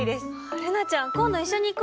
瑠菜ちゃん今度一緒に行こうよ。